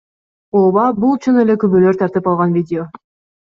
Ооба, бул чын эле күбөлөр тартып алган видео.